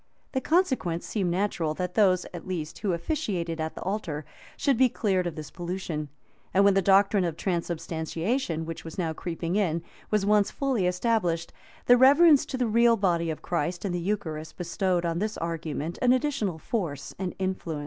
The consequence seemed natural, that those, at least, who officiated at the altar, should be clear of this pollution; and when the doctrine of transubstantiation, which was now creeping in,[] was once fully established, the reverence to the real body of Christ in the eucharist bestowed on this argument an additional force and influence.